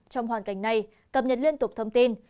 trong hoàn cảnh này cập nhật liên tục thông tin